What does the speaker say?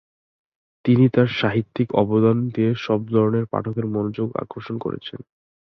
তিনি তার সাহিত্যিক অবদান দিয়ে সব ধরনের পাঠকের মনোযোগ আকর্ষণ করেছেন।